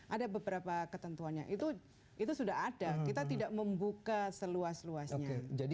ada beberapa ketentuannya itu itu sudah ada kita tidak membuka seluas luasnya jadi